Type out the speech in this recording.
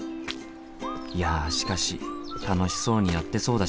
いやしかし楽しそうにやってそうだしな。